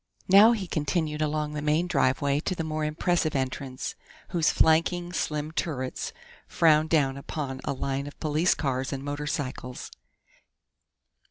Now he continued along the main driveway to the more impressive entrance, whose flanking, slim turrets frowned down upon a line of police cars and motorcycles.